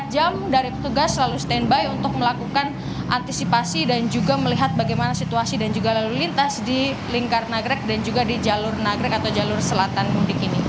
empat jam dari petugas selalu standby untuk melakukan antisipasi dan juga melihat bagaimana situasi dan juga lalu lintas di lingkar nagrek dan juga di jalur nagrek atau jalur selatan mudik ini